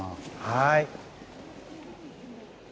はい。